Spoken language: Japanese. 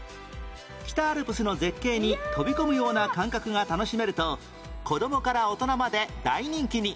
北アルプスの絶景に飛び込むような感覚が楽しめると子どもから大人まで大人気に